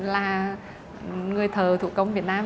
là người thờ thủ công việt nam